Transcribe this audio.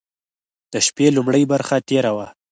د شپې لومړۍ برخه تېره وه.